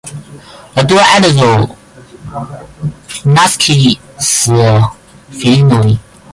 La dua edzino naskis filinon.